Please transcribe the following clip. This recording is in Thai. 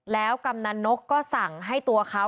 แล้วกำนันนกก็สั่งให้ตัวเขา